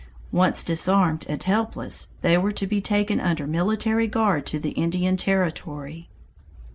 Once disarmed and helpless, they were to be taken under military guard to the Indian Territory.